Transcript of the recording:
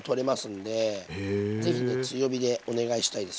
是非ね強火でお願いしたいです。